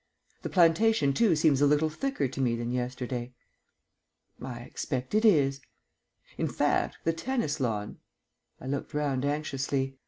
The plantation, too, seems a little thicker to me than yesterday." "I expect it is." "In fact, the tennis lawn " I looked round anxiously.